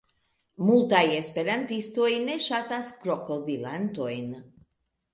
Multaj esperantistoj ne ŝatas krokodilantojn.